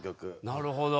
なるほど。